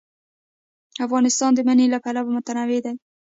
افغانستان د منی له پلوه متنوع دی.